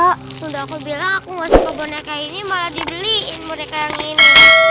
sudah aku bilang aku enggak suka boneka ini malah dibeliin boneka yang ini